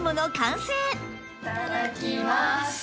いただきます。